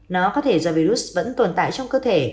nó có thể do virus vẫn tồn tại trong cơ thể